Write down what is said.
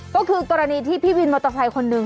ก็คือกรณีที่พี่วินมอเตอร์ไซค์คนหนึ่ง